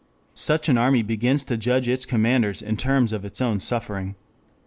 Such an army begins to judge its commanders in terms of its own suffering.